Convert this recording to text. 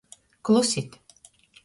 Klusit!